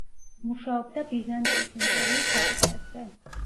მუშაობდა ბიზანტიის იმპერიის საკითხებზე.